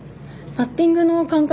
パッティングの感覚